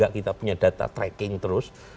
dua ribu tiga kita punya data tracking terus